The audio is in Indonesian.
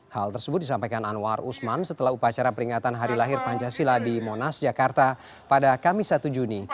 hal tersebut disampaikan anwar usman setelah upacara peringatan hari lahir pancasila di monas jakarta pada kamis satu juni